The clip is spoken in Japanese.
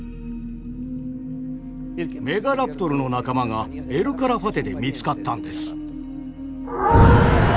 メガラプトルの仲間がエル・カラファテで見つかったんです。